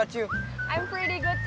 saya cukup baik terima kasih